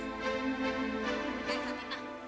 hai kak tina